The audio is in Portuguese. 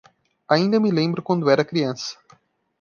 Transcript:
Ainda me lembro quando era criança.